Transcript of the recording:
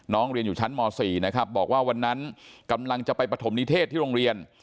เรียนอยู่ชั้นม๔นะครับบอกว่าวันนั้นกำลังจะไปปฐมนิเทศที่โรงเรียน